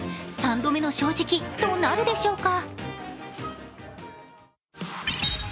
３度目の正直となるでしょうか？